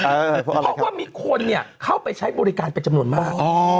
เพราะว่ามีคนเข้าไปใช้บริการเป็นจำนวนมาก